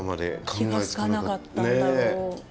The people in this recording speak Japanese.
気が付かなかったんだろう。